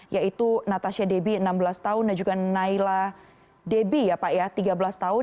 yaitu natasa debi enam belas tahun dan juga naila debi tiga belas tahun